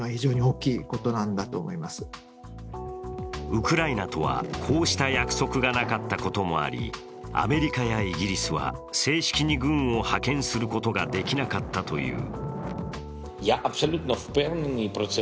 ウクライナとはこうした約束がなかったこともありアメリカやイギリスは正式に軍を派遣することができなかったという。